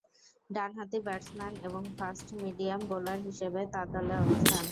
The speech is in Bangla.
ডানহাতি ব্যাটসম্যান এবং ফাস্ট-মিডিয়াম বোলার হিসেবে তার দলে অবস্থান।